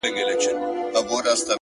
د ښویېدلي سړي لوري د هُدا لوري _